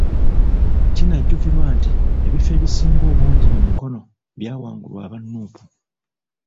Kinajjukirwa nti ebifo ebisinga obungi mu Mukono byawangulwa aba Nuupu.